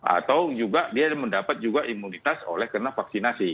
atau juga dia mendapat juga imunitas oleh karena vaksinasi